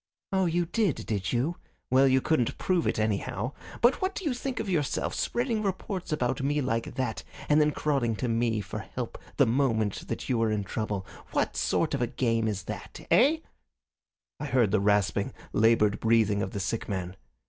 "Oh, you did, did you? Well, you couldn't prove it, anyhow. But what do you think of yourself spreading reports about me like that, and then crawling to me for help the moment you are in trouble? What sort of a game is that eh?" I heard the rasping, laboured breathing of the sick man.